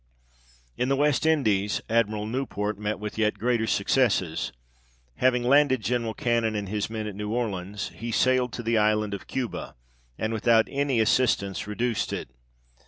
In the West Indies, Admiral Newport met with yet greater successes : having landed General Cannon and his men at New Orleans, he sailed to the island of Cuba, and without any assistance reduced it.